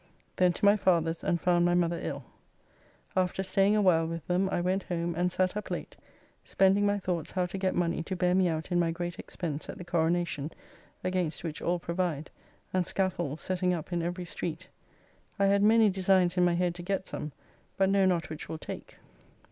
Then to my father's and found my mother ill. After staying a while with them, I went home and sat up late, spending my thoughts how to get money to bear me out in my great expense at the Coronacion, against which all provide, and scaffolds setting up in every street. I had many designs in my head to get some, but know not which will take.